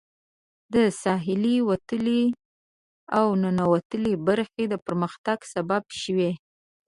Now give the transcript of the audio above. د ساحلي وتلې او ننوتلې برخې د پرمختګ سبب شوي.